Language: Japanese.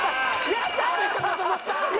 やったー！